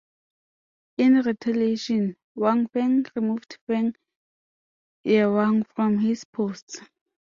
In retaliation, Wang Feng removed Feng Yewang from his posts.